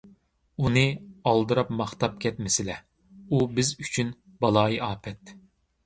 ئۇنى ئالدىراپ ماختاپ كەتمىسىلە، ئۇ بىز ئۈچۈن بالايىئاپەت.